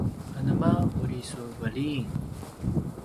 anema uri su veliyn?